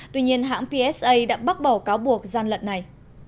tuy nhiên hãng psa đã bác bỏ cáo buộc gian lận này